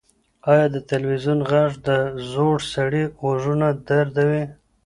ایا د تلویزیون غږ د زوړ سړي غوږونه دردوي؟